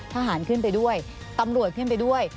ทหารขึ้นไปด้วยตำรวจขึ้นไปด้วย